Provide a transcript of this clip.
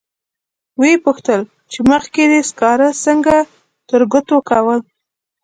و یې پوښتل چې مخکې دې سکاره څنګه ترګوتو کول.